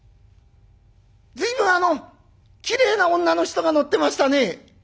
「随分あのきれいな女の人が乗ってましたね」。